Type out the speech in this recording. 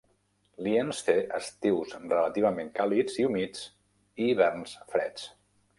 Lienz té estius relativament càlids i humits i hiverns freds.